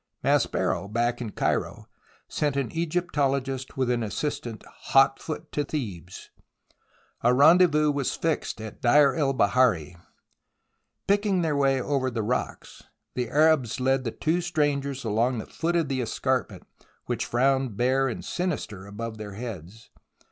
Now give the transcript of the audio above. Maspero, back in Cairo, sent an Egyptologist with an assistant hot foot to Thebes. A rendezvous was fixed at Deir el Bahari. Picking their way over the rocks, the Arabs led the two strangers along the foot of the escarpment which frowned bare and sinister above their heads.